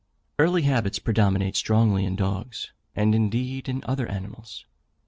Early habits predominate strongly in dogs, and indeed in other animals.